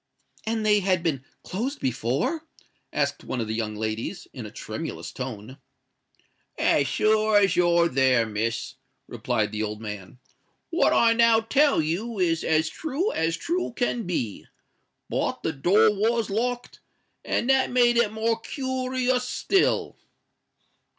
"And they had been closed before?" asked one of the young ladies, in a tremulous tone. "As sure as you're there, Miss," replied the old man, "what I now tell you is as true as true can be. But the door was locked—and that made it more koorious still."